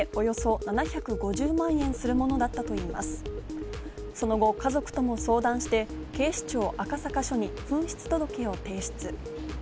そのご家族とも相談して警視庁赤坂署に紛失届を提出。